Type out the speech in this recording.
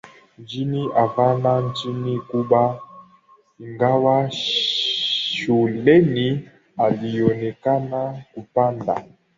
Mjini Havana nchini Cuba ingawa shuleni alionekana kupenda